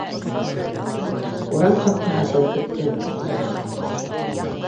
Урам ҡапҡаһы асылып китте